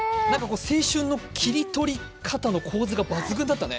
青春の切り取り方の構図が抜群だったね。